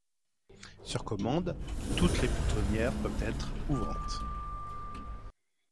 Sur commande, toutes les boutonnières peuvent être ouvrantes.